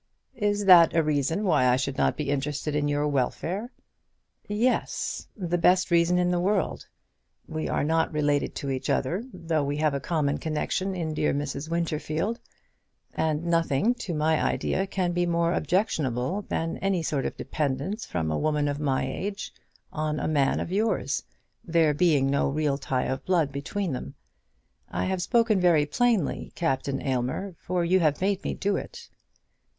"Is that a reason why I should not be interested in your welfare?" "Yes; the best reason in the world. We are not related to each other, though we have a common connection in dear Mrs. Winterfield. And nothing, to my idea, can be more objectionable than any sort of dependence from a woman of my age on a man of yours, there being no real tie of blood between them. I have spoken very plainly, Captain Aylmer, for you have made me do it."